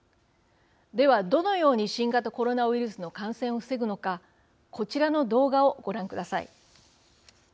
ではどのように新型コロナウイルスの感染を防ぐのかこちらの動画をご覧ください。